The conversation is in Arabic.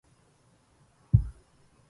كليهما يخفيان أسرارا.